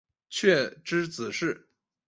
傕之子式。